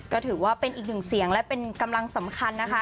ก็ถือว่าเป็นอีกหนึ่งเสียงและเป็นกำลังสำคัญนะคะ